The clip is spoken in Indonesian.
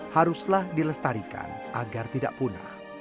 haruslah dilestarikan agar tidak punah